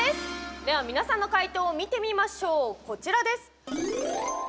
では皆さんの解答を見てみましょう、こちらです。